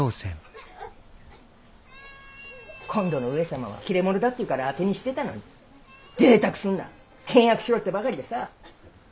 今度の上様は切れ者だっていうから当てにしてたのにぜいたくすんな倹約しろってばかりでさ。